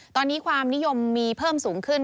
ตอนนี้ความนิยมมีเพิ่มสูงขึ้น